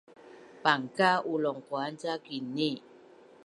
Pangka’ ulungquan ca kini’